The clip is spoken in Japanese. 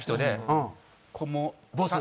ボス？